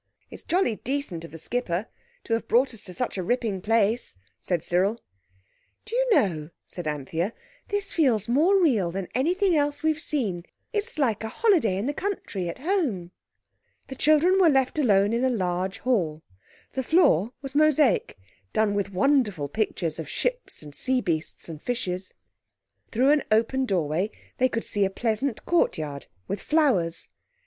"It's jolly decent of the skipper to have brought us to such a ripping place," said Cyril. "Do you know," said Anthea, "this feels more real than anything else we've seen? It's like a holiday in the country at home." The children were left alone in a large hall. The floor was mosaic, done with wonderful pictures of ships and sea beasts and fishes. Through an open doorway they could see a pleasant courtyard with flowers.